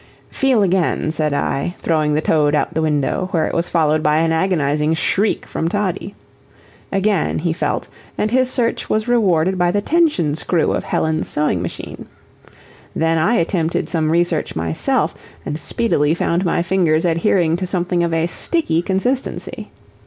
"Feel again," said I, throwing the toad out the window, where it was followed by an agonizing shriek from Toddie. Again he felt, and his search was rewarded by the tension screw of Helen's sewing machine. Then I attempted some research myself, and speedily found my fingers adhering to something of a sticky consistency.